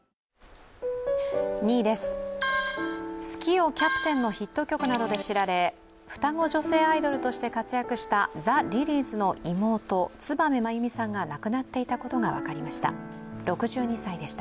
２位です、「好きよキャプテン」のヒット曲などで知られ双子女性アイドルとして活躍したザ・リリーズの妹、燕真由美さんが亡くなっていたことが分かりました、６２歳でした。